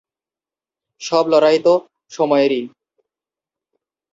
সব লড়াই তো সময়েরই।